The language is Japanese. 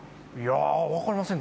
分かりません。